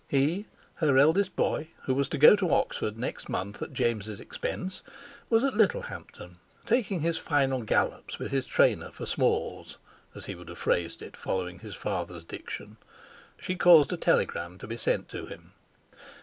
He—her eldest boy—who was to go to Oxford next month at James' expense, was at Littlehampton taking his final gallops with his trainer for Smalls, as he would have phrased it following his father's diction. She caused a telegram to be sent to him.